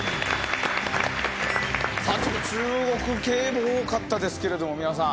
ちょっと中国系も多かったですけれども美輪さん。